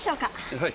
はい。